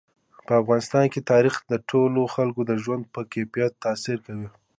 په افغانستان کې تاریخ د ټولو خلکو د ژوند په کیفیت تاثیر کوي.